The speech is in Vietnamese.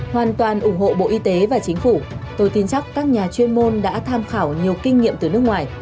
hoàn toàn ủng hộ bộ y tế và chính phủ tôi tin chắc các nhà chuyên môn đã tham khảo nhiều kinh nghiệm từ nước ngoài